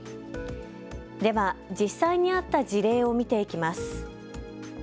では、実際にあった事例を見ていきます。